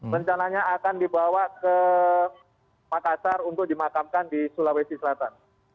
rencananya akan dibawa ke makassar untuk dimakamkan di sulawesi selatan